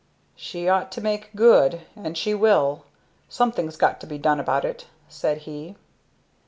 "She ought to make good, and she will. Something's got to be done about it," said he.